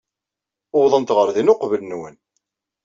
Uwḍent ɣer din uqbel-nwen.